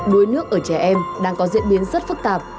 đuối nước ở trẻ em đang có diễn biến rất phức tạp